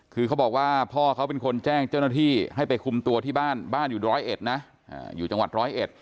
คือเขาบอกว่าพ่อเขาเป็นคนแจ้งเจ้าหน้าที่ให้ไปคุมตัวที่บ้านบ้านอยู่ร้อยเอ็ดนะอยู่จังหวัดร้อยเอ็ด